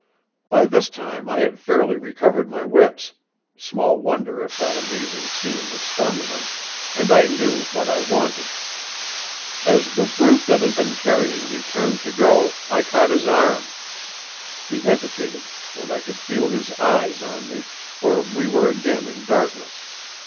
By this time I had fairly recovered my wits small wonder if that amazing scene had stunned them and I knew what I wanted. As the brute that had been carrying me turned to go I caught his arm. He hesitated, and I could feel his eyes on me, for we were again in darkness.